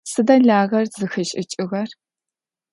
Сыда лагъэр зыхэшӏыкӏыгъэр?